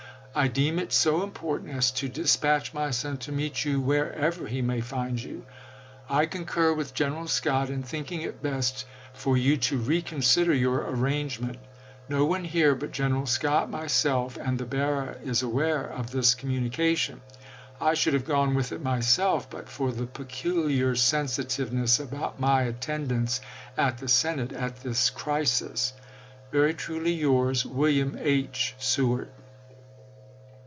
I deem it so important as to dispatch my son to meet you wherever he may find you. I concur with General Scott in thinking it best for you to reconsider your arrangement. No one here but Gen eral Scott, myself, and the bearer is aware of this com munication. I should have gone with it myself, but for the peculiar sensitiveness about my attendance at the Senate at this crisis. _, Very truly yours, William H. Seward.